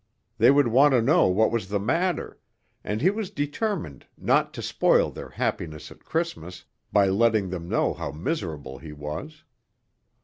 They would want to know what was the matter, and he was determined not to spoil their happiness at Christmas by letting them know how miserable he was.